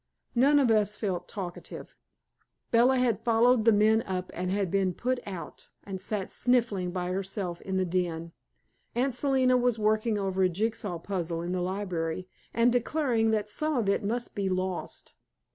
None of us felt talkative. Bella had followed the men up and had been put out, and sat sniffling by herself in the den. Aunt Selina was working over a jig saw puzzle in the library, and declaring that some of it must be lost.